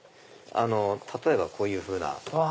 例えばこういうふうな。